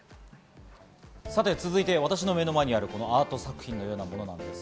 続いて私の目の前にある、こちらのアート作品のようなものです。